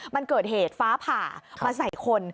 มันเกิดเหตุฟ้าผ่ามาใส่คน